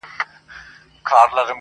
پرېږده چي موږ په دې تیارو کي رڼا ولټوو-